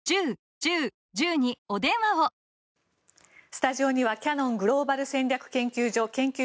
スタジオにはキヤノングローバル戦略研究所研究